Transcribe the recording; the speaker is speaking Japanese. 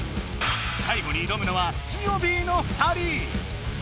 最後に挑むのはジオビーの２人！